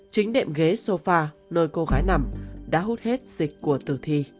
chính đệm ghế sofa nơi cô gái nằm đã hút hết dịch của tử thi